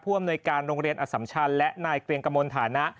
อำนวยการโรงเรียนอสัมชันและนายเกรียงกมลฐานะ